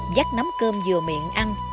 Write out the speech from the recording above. dắt nấm cơm vừa miệng ăn